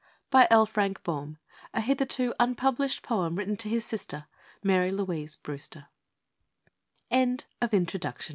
by L. Frank Baum a hitherto unpublished poem written to his Sister, Mary Louise Brewster LIST